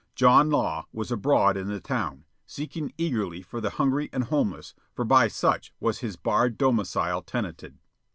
John Law was abroad in the town, seeking eagerly for the hungry and homeless, for by such was his barred domicile tenanted.